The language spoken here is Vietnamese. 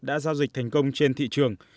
đã giao dịch thành công trên thị trường